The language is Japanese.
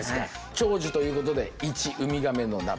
長寿ということで１「ウミガメの鍋」。